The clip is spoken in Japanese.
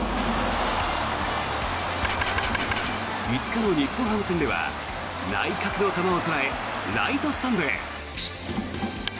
５日の日本ハム戦では内角の球を捉えライトスタンドへ。